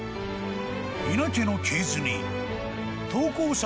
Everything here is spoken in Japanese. ［伊奈家の系図に投稿者の曽